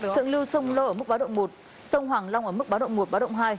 thượng lưu sông lô ở mức báo động một sông hoàng long ở mức báo động một báo động hai